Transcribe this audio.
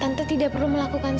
tante tidak perlu melakukan semuanya